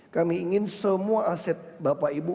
kami ingin semua aset bapak ibu